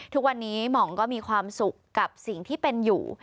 ทุกวันนี้หม่องก็มีความสุขกับสิ่งที่เป็นอยู่